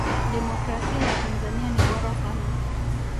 demokrasia ya tanzania ni bora sana